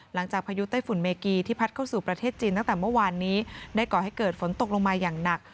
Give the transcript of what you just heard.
พายุไต้ฝุ่นเมกีที่พัดเข้าสู่ประเทศจีนตั้งแต่เมื่อวานนี้ได้ก่อให้เกิดฝนตกลงมาอย่างหนัก